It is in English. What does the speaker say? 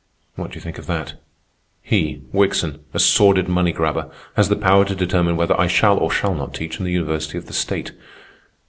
What do you think of that? He, Wickson, a sordid money grabber, has the power to determine whether I shall or shall not teach in the university of the state.